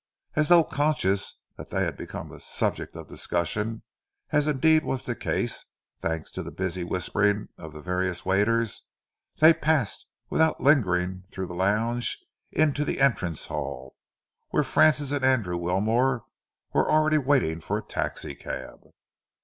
As though conscious that they had become the subject of discussion, as indeed was the case, thanks to the busy whispering of the various waiters, they passed without lingering through the lounge into the entrance hall, where Francis and Andrew Wilmore were already waiting for a taxicab.